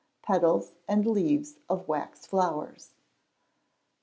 Petals and Leaves of Wax Flowers.